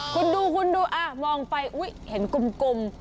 คุณดูอ่ะมองไปเห็นกุม